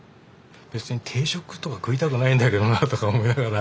「別に定食とか食いたくないんだけどな」とか思いながら。